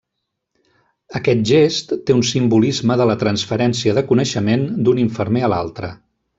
Aquest gest té un simbolisme de la transferència de coneixement d'un infermer a l'altre.